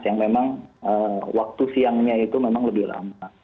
yang memang waktu siangnya itu memang lebih lama